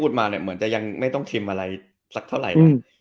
ใช่ใช่